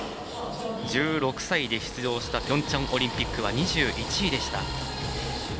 １６歳で出場したピョンチャンオリンピックは２１位でした。